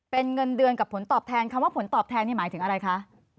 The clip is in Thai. เป็นเงินเดือนกับผลตอบแทนคำว่าผลตอบแทนนี่หมายถึงอะไรคะ